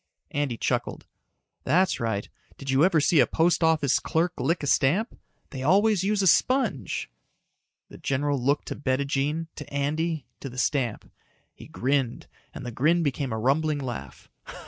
Andy chucked. "That's right. Did you ever see a post office clerk lick a stamp? They always use a sponge." The general looked to Bettijean, to Andy, to the stamp. He grinned and the grin became a rumbling laugh.